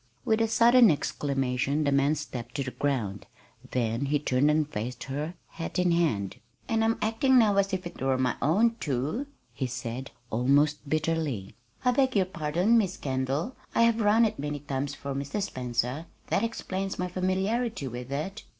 With a sudden exclamation the man stepped to the ground; then he turned and faced her, hat in hand. "And I'm acting now as if it were my own, too," he said, almost bitterly. "I beg your pardon, Miss Kendall. I have run it many times for Mr. Spencer; that explains my familiarity with it."